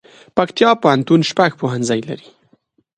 پکتیکا پوهنتون شپږ پوهنځي لري